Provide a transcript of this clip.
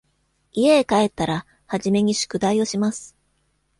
家へ帰ったら、初めに宿題をします。